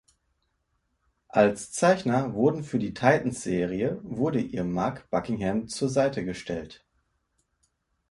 Als Zeichner wurden für die "Titans"-Serie wurde ihr Mark Buckingham zur Seite gestellt.